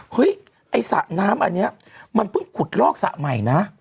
เฮ้ยไอ้สระน้ำอันนี้มันเพิ่งขุดลอกสระใหม่นะ